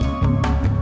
liat dong liat